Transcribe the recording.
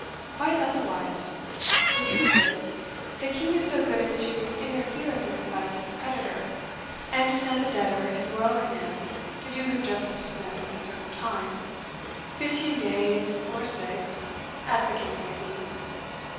Quite otherwise: the truth is, the king is so good as to interfere at the request of the creditor, and to send the debtor his royal command to do him justice within a certain time fifteen days, or six, as the case may be.